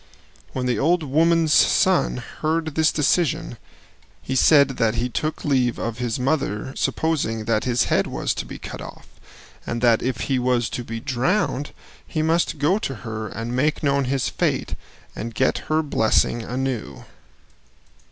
When the old woman's son heard this decision he said that he took leave of his mother supposing that his head was to be cut off, and that if he was to be drowned he must go to her and make known his fate and get her blessing anew.